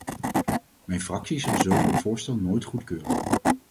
Mijn fractie zal zulk een voorstel nooit goedkeuren.